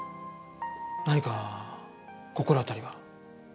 何か心当たりは？